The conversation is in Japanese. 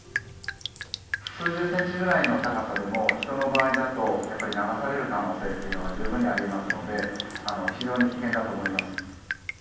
数十センチぐらいの高さでも、人の場合だと、やっぱり流される可能性というのが十分にありえますので、非常に危険だと思います。